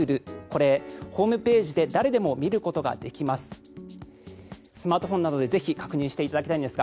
これ、ホームページで誰でも見ることができます。